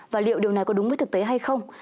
và liệu điều này có đúng với thực tế hay không